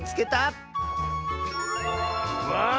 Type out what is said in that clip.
わあ。